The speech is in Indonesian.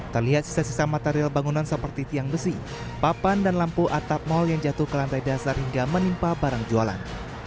terlihat sisa sisa material bangunan seperti tiang besi papan dan lampu atap mal yang jatuh ke lantai dasar hingga menimpa barang jualan